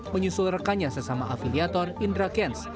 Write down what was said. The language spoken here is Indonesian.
menyusul rekannya sesama afiliator indra kents